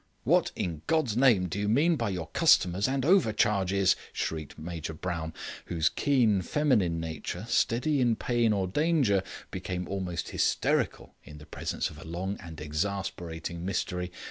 "What, in God's name, do you mean by your customers and overcharges?" shrieked Major Brown, whose keen feminine nature, steady in pain or danger, became almost hysterical in the presence of a long and exasperating mystery.